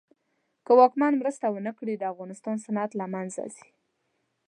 که واکمن مرسته ونه کړي د افغانستان صنعت له منځ ځي.